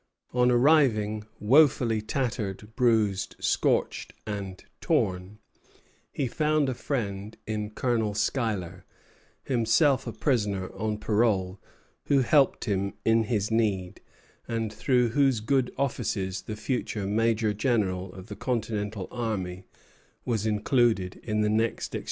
On arriving, wofully tattered, bruised, scorched, and torn, he found a friend in Colonel Schuyler, himself a prisoner on parole, who helped him in his need, and through whose good offices the future major general of the Continental Army was included in the next exchange of prisoners.